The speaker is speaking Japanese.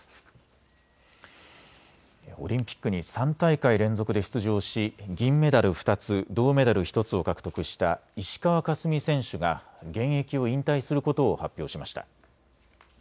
オリンピックに３大会連続で出場し銀メダル２つ、銅メダル１つを獲得した石川佳純選手が現役を引退することを発表しました。